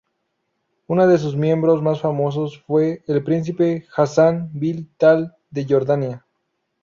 Uno de sus miembros más famosos fue el príncipe Hassan bin Talal de Jordania.